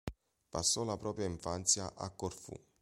Passò la propria infanzia a Corfù.